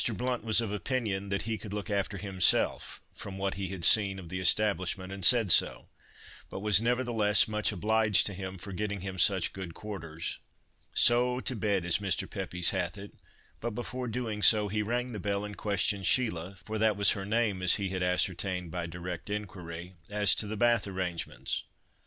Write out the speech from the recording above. Blount was of opinion that he could look after himself from what he had seen of the establishment, and said so, but "was nevertheless much obliged to him for getting him such good quarters." So to bed, as Mr. Pepys hath it, but before doing so, he rang the bell, and questioned Sheila—for that was her name, as he had ascertained by direct inquiry—as to the bath arrangements.